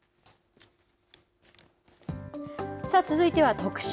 続いては特集。